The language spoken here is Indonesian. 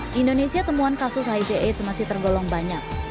di indonesia temuan kasus hiv aids masih tergolong banyak